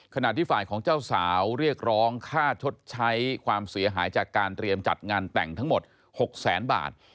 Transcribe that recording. ขณะที่ฝ่ายของเจ้าสาวเรียกร้องค่าชดใช้ความเสียหายจากการเตรียมจัดงานแต่งทั้งหมด๖แสนบาท